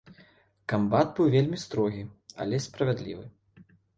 Камбат быў вельмі строгі, але справядлівы.